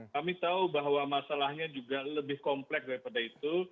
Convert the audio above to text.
kami tahu bahwa masalahnya juga lebih komplek daripada itu